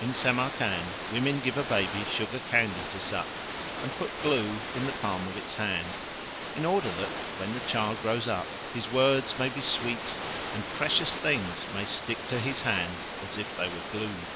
In Samaracand women give a baby sugar candy to suck and put glue in the palm of its hand, in order that, when the child grows up, his words may be sweet and precious things may stick to his hands as if they were glued.